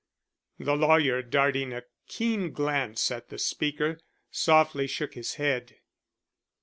The lawyer, darting a keen glance at the speaker, softly shook his head.